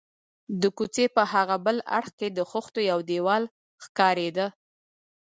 د کوڅې په هاغه بل اړخ کې د خښتو یو دېوال ښکارېده.